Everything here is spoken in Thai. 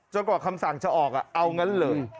กว่าคำสั่งจะออกเอางั้นเลย